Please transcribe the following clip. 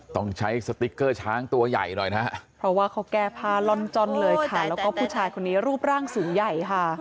ต้องใช้สติ๊กเกอร์ช้างตัวใหญ่หน่อยนะฮะเพราะว่าเขาแก้ผ้าล่อนจ้อนเลยค่ะแล้วก็ผู้ชายคนนี้รูปร่างสูงใหญ่ค่ะ